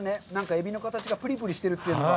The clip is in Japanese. エビの形がプリプリしてるというのが。